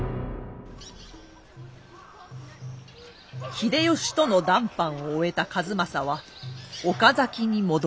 秀吉との談判を終えた数正は岡崎に戻り。